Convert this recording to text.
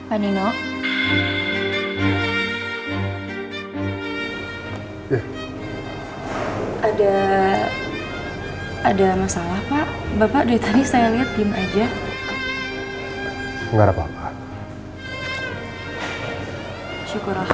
agar aku tidak meninggalkan elsa